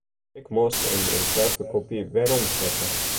Ik moast in reservekopy weromsette.